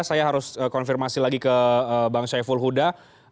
saya harus konfirmasi lagi ke bang syaiful huda